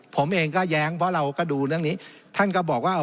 ผมเองก็แย้งเพราะเราก็ดูเรื่องนี้ท่านก็บอกว่า